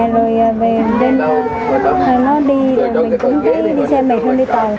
rồi về bên đó rồi nó đi rồi mình cũng đi xe mệt hơn đi tàu